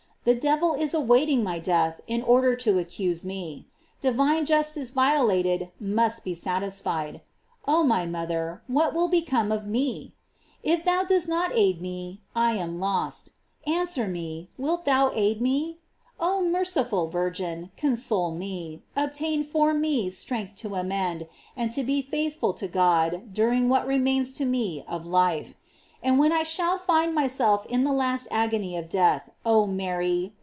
The devil is awaiting my death in order to accuse me. Divine justice violated must be satisfied. Oh my mother, what will become of 114 GLORIES OP MART. me? If thou dost not aid me, I am lost. Answel me, wilt thou aid me? Oh merciful Virgin, con sole me; obtain for me strength to amend, and to &e faithful to God during what remains to me of life. And when I shall find myself in the last agony of death, oh Mary!